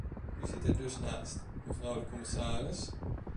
U zit er dus naast, mevrouw de commissaris.